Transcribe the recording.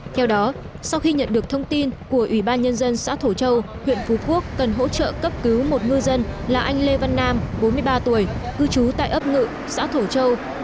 theo đó sau khi nhận được thông tin của ủy ban nhân dân xã thổ châu huyện phú quốc cần hỗ trợ cấp cứu một ngư dân là anh lê văn nam bốn mươi ba tuổi cư trú tại ấp ngự xã thổ châu